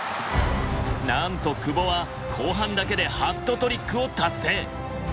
なんと久保は後半だけでハットトリックを達成！